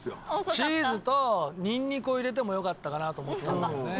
チーズとニンニクを入れてもよかったかなと思ってるんだよね。